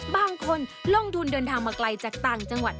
บางคนลงทุนเดินทางมาไกลจากต่างจังหวัด